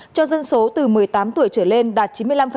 cho dân số từ một mươi tám tuổi trở lên đạt chín mươi năm